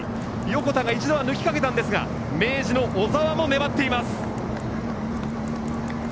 横田が一度は抜きかけましたが明治の小澤も粘っています。